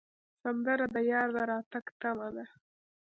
سندره د یار د راتګ تمه ده